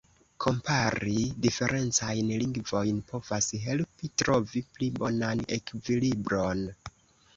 Kompari diferencajn lingvojn povas helpi trovi pli bonan ekvilibron.